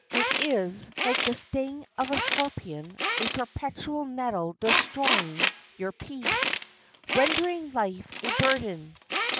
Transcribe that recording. It is, like the sting of a scorpion, a perpetual nettle destroying your peace, rendering life a burden.